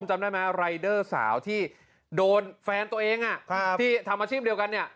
จำได้ไหมรายเดอร์สาวที่โดนแฟนตัวเองที่ทำอาชีพเดียวกันเนี่ย